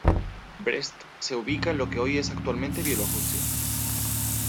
Brest se ubica en lo que hoy es actualmente Bielorrusia.